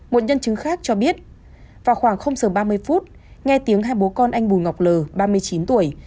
một nhân chứng khác cho biết vào khoảng không sờ ba mươi phút nghe tiếng hai bố con anh bùi ngọc lờ ba mươi chín tuổi